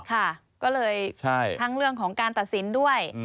ค่ะก็เลยทั้งเรื่องของการตัดสินด้วย